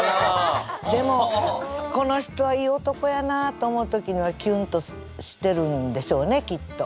でもこの人はいい男やなと思う時にはキュンとしてるんでしょうねきっと。